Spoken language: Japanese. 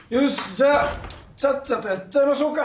じゃあちゃっちゃとやっちゃいましょうか。